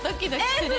する？